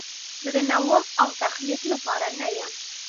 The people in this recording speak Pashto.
زه د نوښت او تخلیق لپاره نه یم.